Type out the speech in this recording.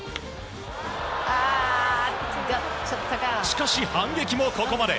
しかし、反撃もここまで。